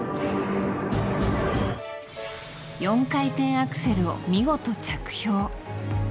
４回転アクセルを見事着氷。